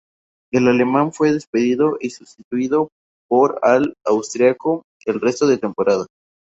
El alemán fue despedido y sustituido por al austriaco el resto de temporada.